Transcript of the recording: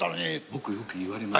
僕よく言われます。